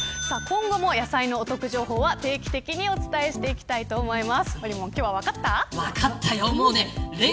今後も野菜のお得情報は定期的にお伝えしていこうと思います。